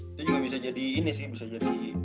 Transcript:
itu juga bisa jadi ini sih bisa jadi